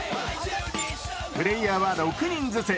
プレーヤーは６人ずつ。